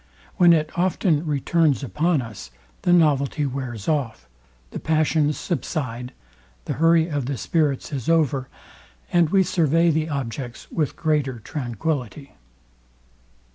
When it often returns upon us, the novelty wears off; the passions subside; the hurry of the spirits is over; and we survey the objects with greater tranquillity.